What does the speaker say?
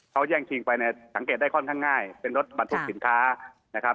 เขาแย่งชิงไปเนี่ยสังเกตได้ค่อนข้างง่ายเป็นรถบรรทุกสินค้านะครับ